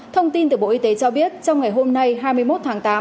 thông tin từ bộ y tế cho biết trong ngày hôm nay hai mươi một tháng tám